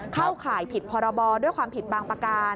เข้าข่ายผิดพรบด้วยความผิดบางประการ